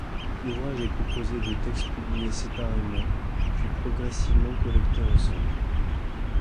L'ouvrage est composé de textes publiés séparément, puis progressivement collectés ensuite.